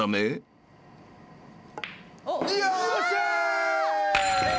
よっしゃ！